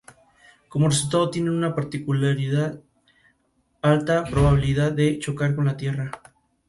Se halla extinta en Ecuador y en el Perú.